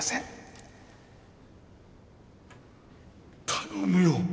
頼むよ